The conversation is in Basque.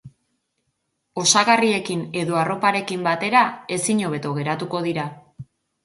Osagarriekin edo arroparekin batera ezinhobeto geratuko dira.